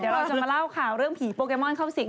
เดี๋ยวเราจะมาเล่าข่าวเรื่องผีโปเกมอนเข้าสิง